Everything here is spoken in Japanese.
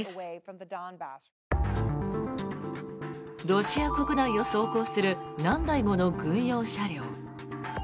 ロシア国内を走行する何台もの軍用車両。